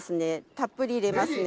たっぷり入れますね。